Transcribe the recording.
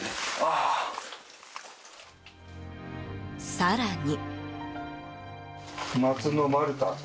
更に。